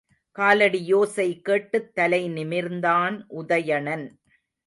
காலடி யோசை கேட்டுத் தலை நிமிர்ந்தான் உதயணன்.